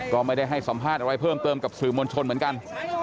ก็ไม่ได้ให้สัมภาษณ์อะไรเพิ่มเติมกับสื่อมวลชนเหมือนกัน